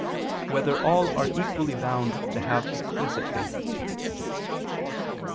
6] Whether All Are Equally Bound to Have Explicit Faith?